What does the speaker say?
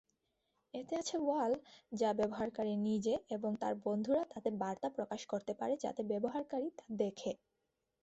এতে আছে ওয়াল যাতে ব্যবহারকারী নিজে এবং তার বন্ধুরা তাতে বার্তা প্রকাশ করতে পারে যাতে ব্যবহারকারী তা দেখে।